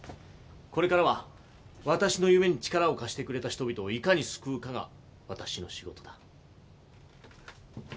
これからは私の夢に力を貸してくれた人々をいかに救うかが私の仕事だ。